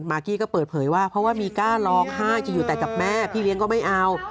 กี้ก็เปิดเผยว่าเพราะว่ามีกล้าร้องไห้จะอยู่แต่กับแม่พี่เลี้ยงก็ไม่เอา